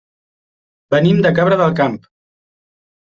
Venim de Cabra del Camp.